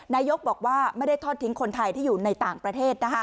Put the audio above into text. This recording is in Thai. นายกบอกว่าไม่ได้ทอดทิ้งคนไทยที่อยู่ในต่างประเทศ